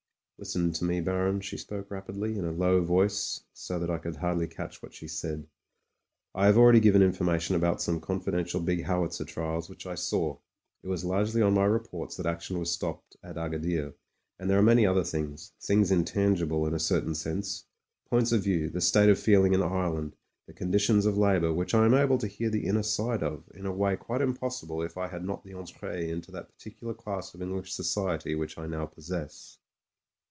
"Listen to me, Baron," she spcrfce rapidly, in a low voice so that I could hardly catch what she said. "I have already given information about some con fidential big howitzer trials which I saw; it was largely on my reports that action was stopped at Agadir; and there are many other things — ^things intangible, in a certain sense — points of view, the state of feeling in Ireland, the conditions of labour, which I am able to hear the inner side of, in a way quite impossible if I had not the entree into that particular class of English society which I now possess.